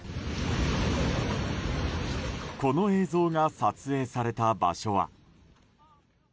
この映像が撮影された場所は。